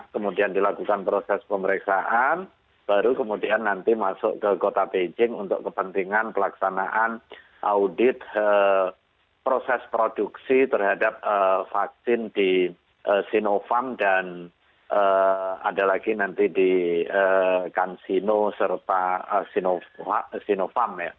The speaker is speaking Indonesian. kemudian dilakukan proses pemeriksaan baru kemudian nanti masuk ke kota beijing untuk kepentingan pelaksanaan audit proses produksi terhadap vaksin di sinovac dan ada lagi nanti di kansino serta sinovac sinovac ya